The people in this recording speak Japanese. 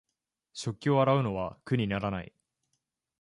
食器を洗うのは苦にならない